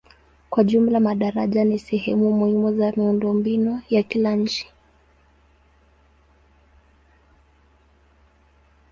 Kwa jumla madaraja ni sehemu muhimu za miundombinu ya kila nchi.